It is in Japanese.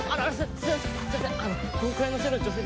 すいません